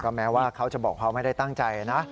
แม้ว่าเขาจะบอกเขาไม่ได้ตั้งใจนะ